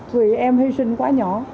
vì em hy sinh quá nhỏ